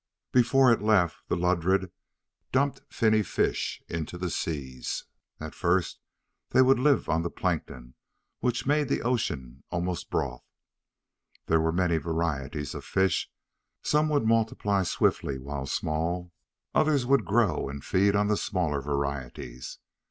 Before it left, the Ludred dumped finny fish into the seas. At first they would live on the plankton which made the oceans almost broth. There were many varieties of fish. Some would multiply swiftly while small; others would grow and feed on the smaller varieties.